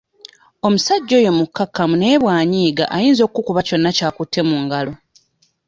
Omusajja oyo mukkakkamu naye bw'anyiiga ayinza okukuba kyonna ky'akutte mu ngalo.